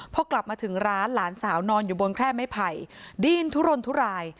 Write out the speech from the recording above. พอกลับมาถึงร้านหลานสาวนอนอยู่บนแคร่ไม้ไผ่ดินทุรนทุราย